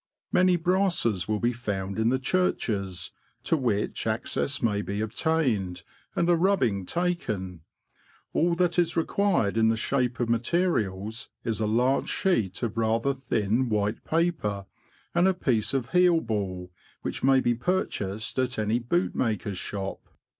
Many brasses will be found in the churches, to which access may be obtained, and a rubbing taken. All that is required in the shape of materials is a large sheet of rather thin white paper and a piece of heel ball, which may be purchased at any bootmaker^s shop.